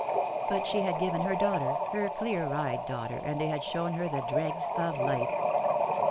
But she had given her daughter, her clear eyed daughter, and they had shown her the dregs of life.